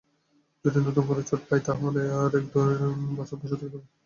যদি নতুন করে চোট পাই তাহলে আরও এক-দেড় বছর বসে থাকতে হবে।